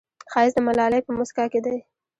ښایست د ملالې په موسکا کې دی